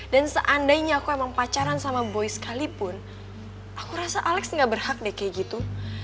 dan seandainya aku emang pacaran sama boy sekalipun aku rasa alec gak berhak deh kayak gitu